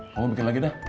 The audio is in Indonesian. kamu bikin lagi dah